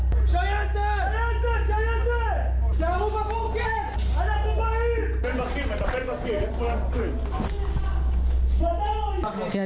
มีไฟได้รอยถูกงานลงคลุมเมื่อประเมธออกมา